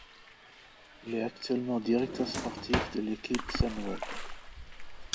Il est actuellement directeur sportif de l'équipe Sunweb.